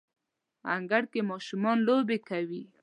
انګړ کې ماشومان لوبې کوي